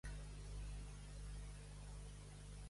Qui a frase puc posar?